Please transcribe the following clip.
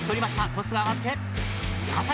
トスが上がって河西！